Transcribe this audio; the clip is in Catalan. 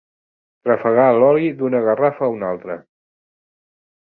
Trafegar l'oli d'una garrafa a una altra.